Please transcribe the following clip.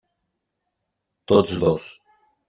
Tots dos.